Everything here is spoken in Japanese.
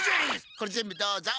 これ全部どうぞ。